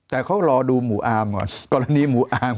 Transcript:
แต่เขารอดูหมู่อาร์มก่อนกรณีหมูอาร์ม